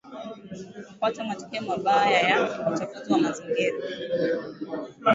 hupata matukio mabaya ya uchafuzi wa mazingira